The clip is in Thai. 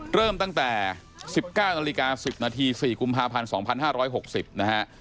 เริ่มตั้งแต่๑๙นาฬิกา๑๐นาที๔กุมภาพันธ์๒๕๖๐นะฮะ